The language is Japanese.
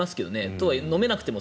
とはいえ、飲めなくても